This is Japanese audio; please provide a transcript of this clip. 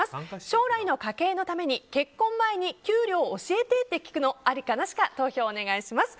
将来の家計のために結婚前に給料教えてと聞くのはありかなしか投票をお願いします。